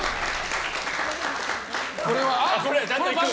これは×。